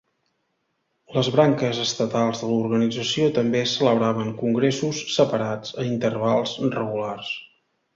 Les branques estatals de l'organització també celebraven congressos separats a intervals regulars.